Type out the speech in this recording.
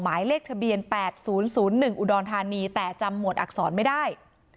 หมายเลขทะเบียนแปดศูนย์ศูนย์หนึ่งอุดรธานีแต่จำหมวดอักษรไม่ได้